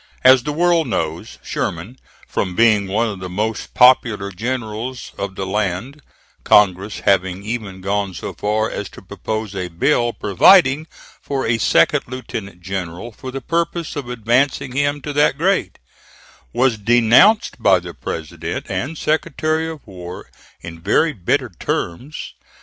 As the world knows, Sherman, from being one of the most popular generals of the land (Congress having even gone so far as to propose a bill providing for a second lieutenant general for the purpose of advancing him to that grade), was denounced by the President and Secretary of War in very bitter terms.